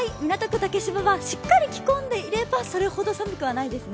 竹芝はしっかり着込んでいればそれほど寒くはないですね。